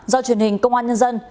do truyền hình công an nhân dân